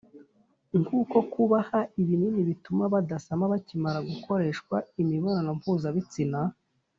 Nko kubaha ibinini bituma badasama bakimara gukoreshwa imibonano mpuzabitsina